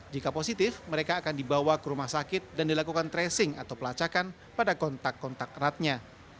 jika positif mereka akan dibawa ke rumah sakit dan dilakukan tracing atau pelacakan pada kontak kontak eratnya